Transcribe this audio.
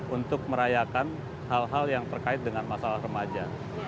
untuk merayakan hal hal yang terkait dengan masalah remaja